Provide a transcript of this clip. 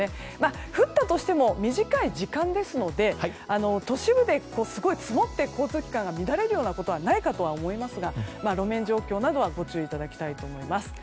降ったとしても短い時間ですので都市部ですごく積もって交通機関が乱れるようなことはないかと思いますが路面状況などはご注意いただきたいと思います。